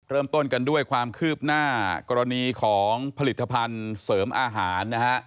เริ่มต้นกันด้วยความคืบหน้ากรณีของผลิตภัณฑ์เสริมอาหารนะฮะ